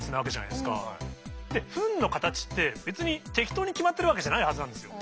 フンの形って別に適当に決まってるわけじゃないはずなんですよ。